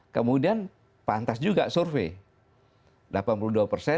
kemudian pantas juga survei